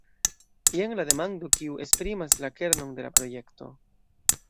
Jen la demando kiu esprimas la kernon de la projekto.